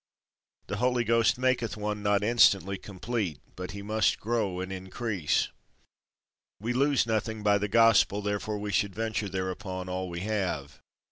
The Holy Ghost maketh one not instantly complete, but he must grow and increase. We lose nothing by the Gospel, therefore we should venture thereupon all we have.